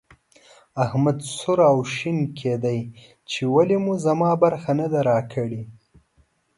احمد سور او شين کېدی چې ولې مو زما برخه نه ده راکړې.